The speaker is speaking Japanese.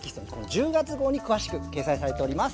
１０月号に詳しく掲載されております。